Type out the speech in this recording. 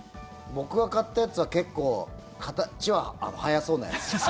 僕が買ったやつは結構、形は速そうなやつ。